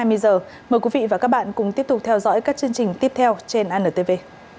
mời quý vị và các bạn cùng tiếp tục theo dõi các chương trình tiếp theo trên antv